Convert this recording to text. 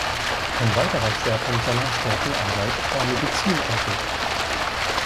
Ein weiterer Schwerpunkt seiner späten Arbeit war Medizinethik.